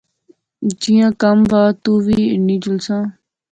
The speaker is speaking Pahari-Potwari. جیاں کم وہا، تو وی ہنی جولساں